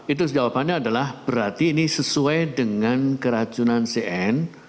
itu jawabannya adalah berarti ini sesuai dengan keracunan cn